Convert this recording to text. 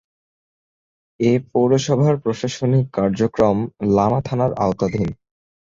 এ পৌরসভার প্রশাসনিক কার্যক্রম লামা থানার আওতাধীন।